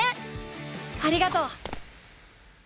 ありがとう！